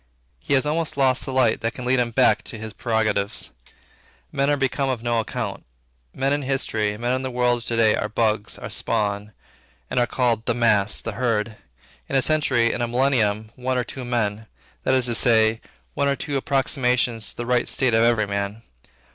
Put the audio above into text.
He has almost lost the light, that can lead him back to his prerogatives. Men are become of no account. Men in history, men in the world of to day are bugs, are spawn, and are called 'the mass' and 'the herd.' In a century, in a millennium, one or two men; that is to say, one or two approximations to the right state of every man.